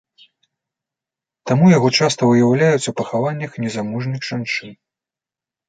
Таму яго часта выяўляюць у пахаваннях незамужніх жанчын.